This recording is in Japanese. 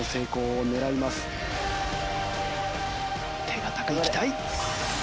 手堅くいきたい。